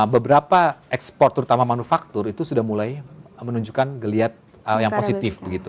beberapa ekspor terutama manufaktur itu sudah mulai menunjukkan geliat yang positif begitu